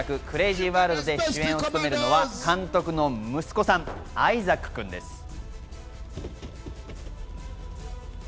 『クレイジー・ワールド』で主演を務めるのは監督の息子さん、アイザック君です。